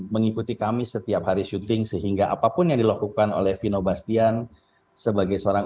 mengikuti kami setiap hari syuting sehingga apapun yang dilakukan oleh vino bastian sebagai seorang